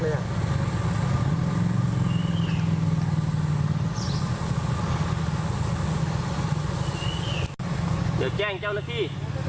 เดี๋ยวแจ้งเจ้าหน้าที่